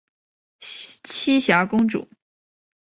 栖霞公主。